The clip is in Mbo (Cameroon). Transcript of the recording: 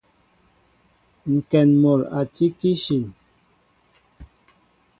Ŋkɛn mol a tí kishin.